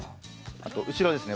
あと後ろですね